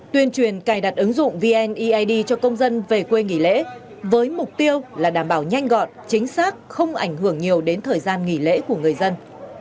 tuyên truyền cài đặt ứng dụng vneid cho công dân về quê nghỉ lễ với mục tiêu là đảm bảo nhanh gọn chính xác không ảnh hưởng nhiều đến thời gian nghỉ lễ của người dân